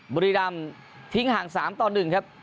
บุรีรำทิ้งห่าง๓ต่อ๑ครับ